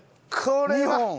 これは。